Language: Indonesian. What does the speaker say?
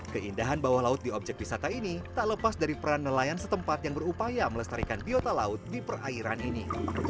keindahan bawah laut di objek wisata ini tak lepas dari peran nelayan setempat yang berupaya melestarikan biota laut di perairan ini